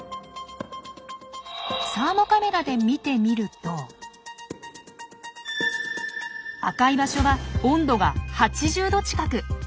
サーモカメラで見てみると赤い場所は温度が８０度近く。